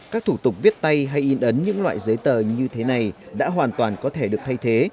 các thủ tục viết tay hay in ấn những loại giấy tờ như thế này đã hoàn toàn có thể được thay thế